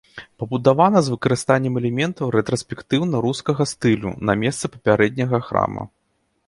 Пабудавана з выкарыстаннем элементаў рэтраспектыўна-рускага стылю на месцы папярэдняга храма.